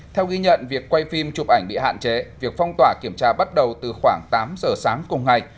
theo ghi nhận việc quay phim chụp ảnh bị hạn chế việc phong tỏa kiểm tra bắt đầu từ khoảng tám giờ sáng cùng ngày